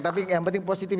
tapi yang penting positif